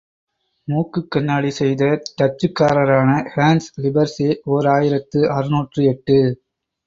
மூக்குக்கண்ணாடி செய்த டச்சுக்காரரான hence Lippershey, ஓர் ஆயிரத்து அறுநூற்று எட்டு.